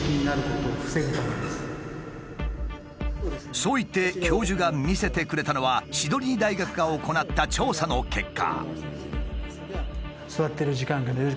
そう言って教授が見せてくれたのはシドニー大学が行った調査の結果。